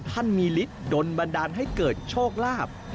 ท่านมีฤทธิ์โดนบันดาลให้เกิดโชคลาภ